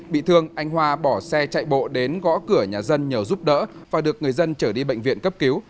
bị thương anh hoa bỏ xe chạy bộ đến gõ cửa nhà dân nhờ giúp đỡ và được người dân trở đi bệnh viện cấp cứu